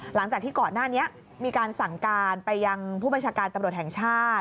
หลังจากที่ก่อนหน้านี้มีการสั่งการไปยังผู้บัญชาการตำรวจแห่งชาติ